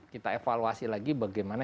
kita evaluasi lagi bagaimana